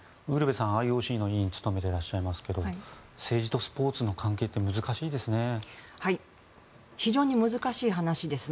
ウルヴェさんＩＯＣの委員を務めていらっしゃいますが政治とスポーツの関係って難しいですね。